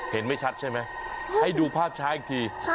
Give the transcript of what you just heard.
ไม่ชัดใช่ไหมให้ดูภาพช้าอีกที